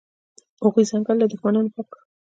هغوی ځنګل له دښمنانو پاک کړ.